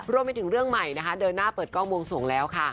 รวมไปถึงเรื่องใหม่นะคะเดินหน้าเปิดกล้องวงสวงแล้วค่ะ